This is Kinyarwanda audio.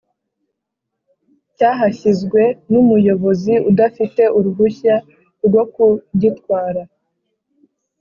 Cyahashyizwe n’umuyobozi udafite uruhushya rwo kugitwara